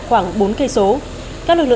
khoảng bốn km các lực lượng